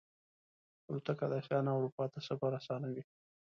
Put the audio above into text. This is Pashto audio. الوتکه د آسیا نه اروپا ته سفر آسانوي.